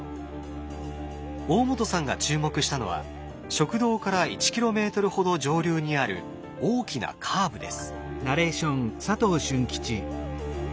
大本さんが注目したのは食堂から１ｋｍほど上流にある大きなカーブです。